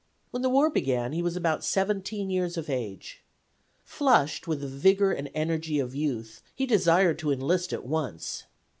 When the war began he was about 17 years of age. Flushed with the vigor and energy of youth he desired to enlist at once.